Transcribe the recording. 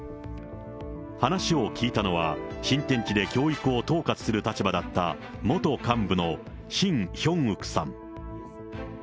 話を聞いたのは、新天地で教育を統括する立場だった、元幹部のシン・ヒョンウクさん。